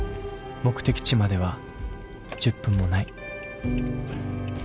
目的地までは１０分もない。